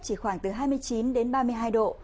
chỉ khoảng từ hai mươi chín đến ba mươi hai độ